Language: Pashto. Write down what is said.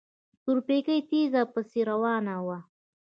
تورپيکۍ تېزه پسې روانه وه.